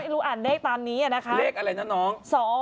ลูกอ่านได้ตอนนี้นะคะเลขอะไรนะน้อง